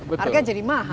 harganya jadi mahal